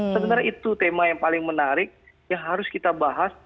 sebenarnya itu tema yang paling menarik yang harus kita bahas